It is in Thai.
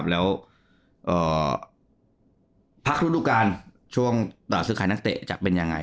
แล้วพักฤทธุกาลช่วงต่อสืบขายนักเตะจะเป็นยังไง